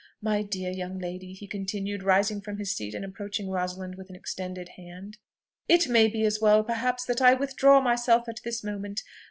My dear young lady," he continued, rising from his seat and approaching Rosalind with an extended hand, "it may be as well, perhaps, that I withdraw myself at this moment.